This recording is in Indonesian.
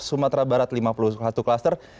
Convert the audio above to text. sumatera barat lima puluh satu kluster